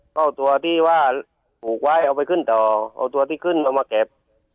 ก็เอาตัวที่ว่าผูกไว้เอาไปขึ้นต่อเอาตัวที่ขึ้นเอามาเก็บ